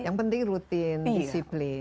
yang penting rutin disiplin